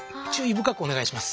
深くお願いします。